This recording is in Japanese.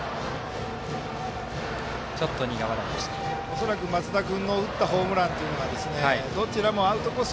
恐らく松田君の打ったホームランというのがどちらもアウトコース